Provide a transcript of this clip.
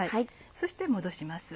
そして戻します。